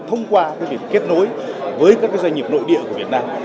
thông qua cái việc kết nối với các cái doanh nghiệp nội địa của việt nam